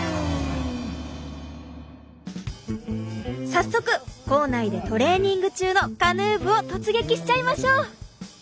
早速校内でトレーニング中のカヌー部を突撃しちゃいましょう！